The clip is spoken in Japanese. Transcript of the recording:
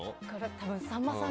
多分さんまさん